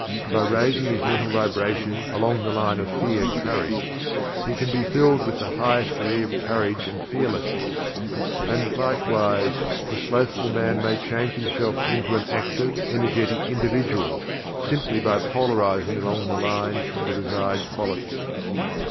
By raising his mental vibrations along the line of Fear Courage, he can be filled with the highest degree of Courage and Fearlessness. And, likewise, the Slothful man may change himself into an Active, Energetic individual simply by polarizing along the lines of the desired quality.